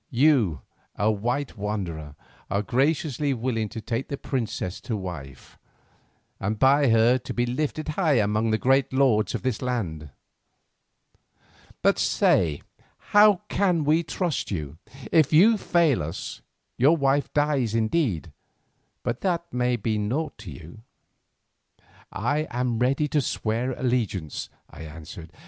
You, a white wanderer, are graciously willing to take this princess to wife, and by her to be lifted high among the great lords of this land. But say, how can we trust you? If you fail us your wife dies indeed, but that may be naught to you." "I am ready to swear allegiance," I answered.